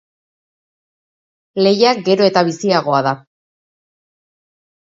Lehia gero eta biziagoa da.